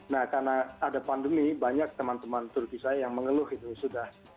nah karena ada pandemi banyak teman teman turki saya yang mengeluh itu sudah